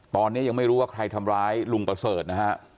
ตอนนี้ยังไม่รู้ว่าใครทำร้ายลุงประเสริฐนะฮะ